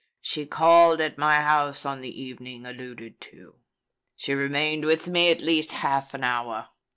She called at my house on the evening alluded to. She remained with me at least half an hour.